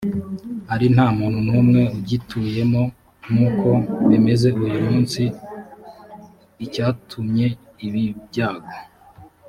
ari nta muntu n umwe ugituyemo nk uko bimeze uyu munsi u icyatumye ibi byago